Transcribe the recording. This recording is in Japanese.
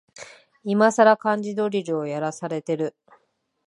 いまさら漢字ドリルをやらされてる